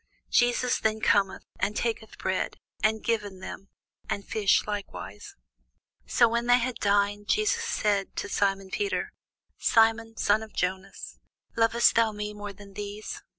Jesus then cometh, and taketh bread, and giveth them, and fish likewise. So when they had dined, Jesus saith to Simon Peter, Simon, son of Jonas, lovest thou me more than these?